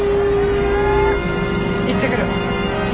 行ってくる。